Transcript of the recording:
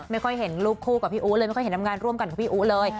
ไม่ค่อยเห็นรูปคู่กับพี่อู๋เลยไม่ค่อยเห็นทำงานร่วมกันกับพี่อู๋เลย